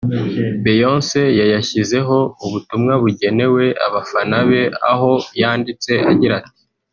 Beyonce yayashyizeho ubutumwa bugenewe abafana be aho yanditse agira ati